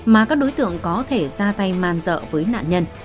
mà các đối tượng có thể ra tay man dợ với nạn nhân